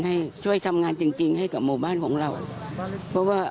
ให้ช่วยทำงานจริงจริงให้กับหมู่บ้านของเราเพราะว่า